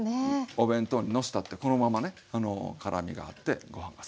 お弁当にのせたってこのままね辛みがあってご飯が進みます。